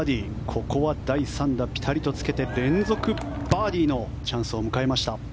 ここは第３打、ピタリとつけて連続バーディーのチャンスを迎えました。